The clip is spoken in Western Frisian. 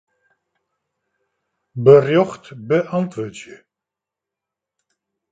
Berjocht beäntwurdzje.